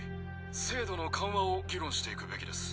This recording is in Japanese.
制度の緩和を議論していくべきです。